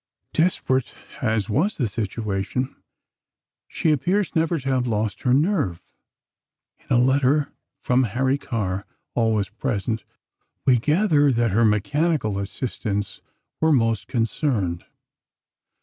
Desperate as was the situation, she appears never to have lost her nerve. In a letter from Harry Carr, always present, we gather that her mechanical assistants were most concerned.